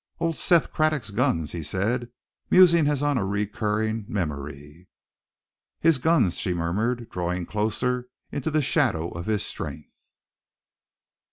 "Old Seth Craddock's guns," he said, musing as on a recurring memory. "His guns!" she murmured, drawing closer into the shadow of his strength.